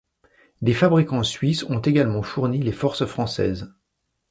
Des fabricants suisses ont également fourni les forces françaises.